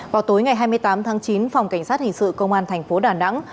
vào tối ngày hai mươi tám tháng chín phòng cảnh sát hình sự công an thành phố đà nẵng